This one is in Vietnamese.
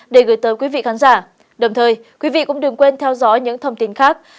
đồng thời quý vị cũng đừng quên theo dõi những thông tin khác